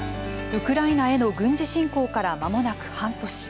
ウクライナへの軍事侵攻からまもなく半年。